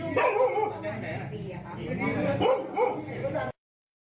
พอเมื่อกี้